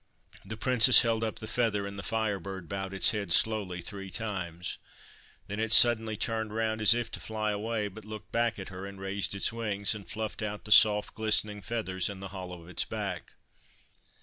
The Princess held up the feather, and the Fire Bird bowed its head slowly three times. Then it suddenly turned round as if to fly away, but looked back at her, and raised its wings, and fluffed out the soft, glistening feathers in the hollow of its back.